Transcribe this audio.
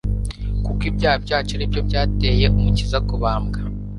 kuko ibyaha byacu aribyo byatcye Umukiza kubambwa.